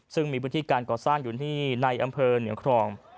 ซึ่งมีพื้นที่การก่อสร้างอยู่ที่ในอำเภอเหนืองครอง